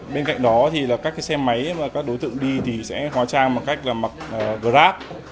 bên cạnh đó thì là các cái xe máy mà các đối tượng đi thì sẽ hóa trang một cách là mặc grab